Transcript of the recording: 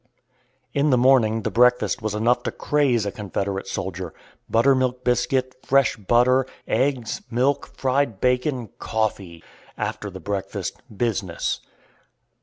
In the morning the breakfast was enough to craze a Confederate soldier. Buttermilk biscuit, fresh butter, eggs, milk, fried bacon, coffee! After the breakfast, business.